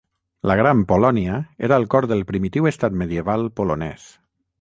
La Gran Polònia era el cor del primitiu estat medieval polonès.